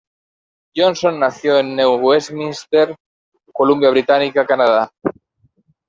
Johnson nació en New Westminster, Columbia Británica, Canadá.